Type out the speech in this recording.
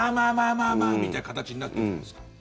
まあまあ、みたいな形になったじゃないですか。